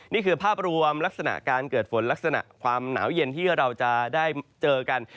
นี่คือภาพรวมลักษณะการเกิดฝนลักษณะความหนาวเย็นที่เราจะได้เจอกัน